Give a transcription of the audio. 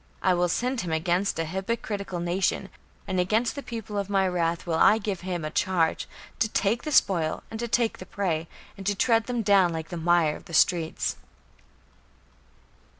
I will send him against an hypocritical nation, and against the people of my wrath will I give him a charge, to take the spoil, and to take the prey, and to tread them down like the mire of the streets."